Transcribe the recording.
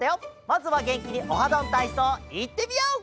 まずはげんきに「オハどんたいそう」いってみよう！